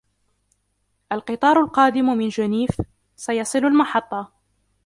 القطار القادم من جنيف سيصل المحطة.